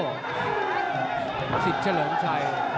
สิทธิ์เฉลิมชัย